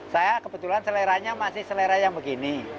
saya kebetulan seleranya masih selera yang begini